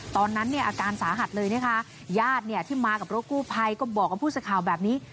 ตอนนั้นเนี่ยอาการสาหัสเลยนะคะญาติเนี่ยที่มากับรถกู้ภัยก็บอกกับผู้สื่อข่าวแบบนี้